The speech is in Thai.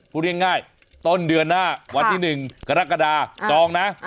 พูดง่ายต้นเดือนหน้าวันที่๑กรกฎาจองนะ